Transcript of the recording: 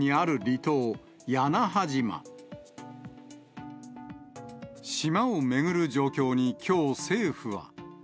島を巡る状況にきょう、政府は。